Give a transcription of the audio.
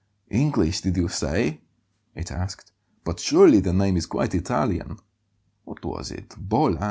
"English, did you say?" it asked. "But surely the name is quite Italian. What was it Bolla?"